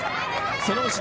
その後ろ